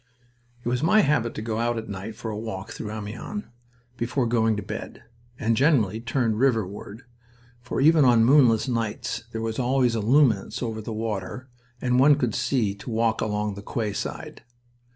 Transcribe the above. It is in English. X It was my habit to go out at night for a walk through Amiens before going to bed, and generally turned river ward, for even on moonless nights there was always a luminance over the water and one could see to walk along the quayside.